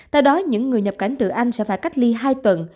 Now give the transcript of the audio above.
tại đó những người nhập cảnh từ anh sẽ phải cách ly hai tuần